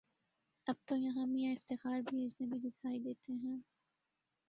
اب تویہاں میاں افتخار بھی اجنبی دکھائی دیتے ہیں۔